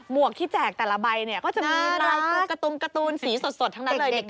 หมวกที่แจกแต่ละใบนี่ก็จะมีรายกลุ่มการ์ตูนสีสดทั้งนั้นเลยเด็กก็ชอบ